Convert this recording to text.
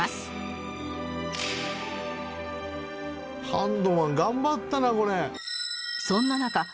ハンドマン頑張ったなこれ。